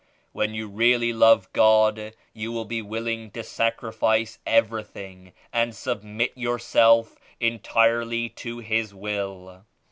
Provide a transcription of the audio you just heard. When you really love God you will be willing to sacrifice everything and submit your self entirely to His Will.